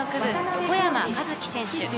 横山和生選手。